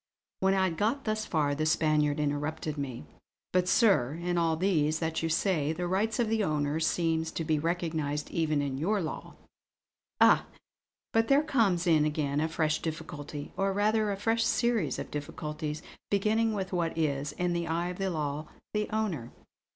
When I had got thus far the Spaniard interrupted me: "But sir, in all these that you say, the rights of the owner seem to be recognised even in your law." "Ah, but there comes in again a fresh difficulty; or rather a fresh series of difficulties, beginning with what is, in the eye of the law, the 'owner.'